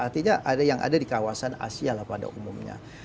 artinya ada yang ada di kawasan asia lah pada umumnya